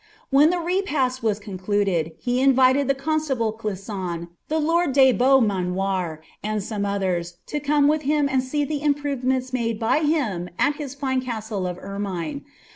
When ihe repast wsa concludcnU br intiwil the cnnalable Clisnon, the lord de Beaumanoir, and some otlien, tn come with him and see the impTDvements made by him at hi« Bne mile of Erndne.